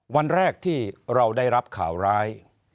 วันแรกที่เราได้รับข่าวร้าย